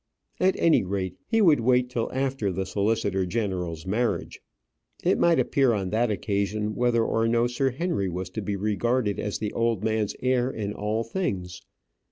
At any rate, he would wait till after the solicitor general's marriage. It might appear on that occasion whether or no Sir Henry was to be regarded as the old man's heir in all things.